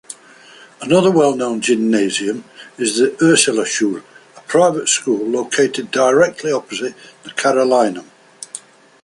Another well-known Gymnasium is the Ursulaschule, a private school, located directly opposite the Carolinum.